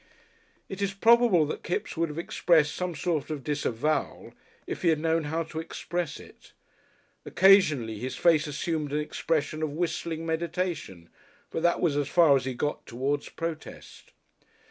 It is probable that Kipps would have expressed some sort of disavowal, if he had known how to express it. Occasionally his face assumed an expression of whistling meditation, but that was as far as he got towards protest.